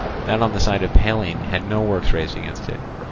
That on the side of Pallene had no works raised against it.